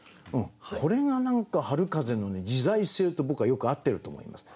これが何か春風の自在性と僕はよく合ってると思います。